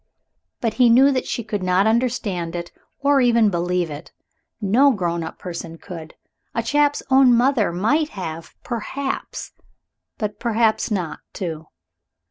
But he knew that she could not understand it or even believe it. No grown up person could. A chap's own mother might have, perhaps but perhaps not, too.